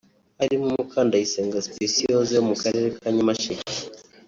harimo Mukandayisenga Speciose wo mu karere ka Nyamasheke